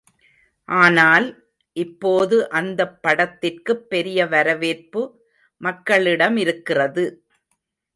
ஆனால் இப்போது அந்தப் படத்திற்குப் பெரிய வரவேற்பு மக்களிடமிருக்கிறது.